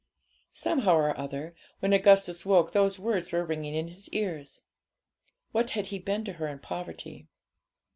Somehow or other, when Augustus woke, those words were ringing in his ears. What had he been to her in poverty?